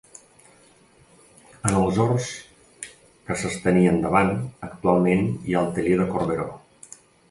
En els horts que s'estenien davant, actualment hi ha el taller de Corberó.